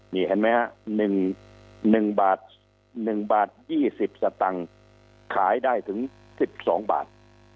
นี่เห็นไหมฮะ๑บาท๑บาท๒๐สตังค์ขายได้ถึง๑๒บาท